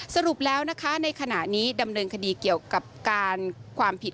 สรุปแล้วนะคะในขณะนี้ดำเนินคดีเกี่ยวกับการความผิด